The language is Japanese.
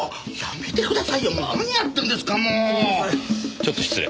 ちょっと失礼。